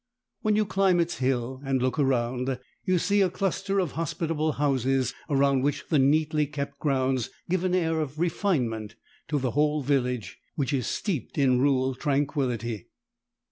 When you climb its hill and look around, you see a cluster of hospitable houses, around which the neatly kept grounds give an air of refinement to the whole village, which is steeped in rural tranquillity.